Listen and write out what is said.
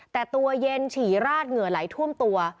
แต่ตัวเย็นฉี่ราดเหงื่อไหลท่วมตัว